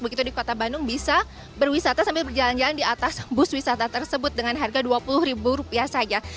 begitu di kota bandung bisa berwisata sambil berjalan jalan di atas bus wisata tersebut dengan harga dua puluh ribu rupiah saja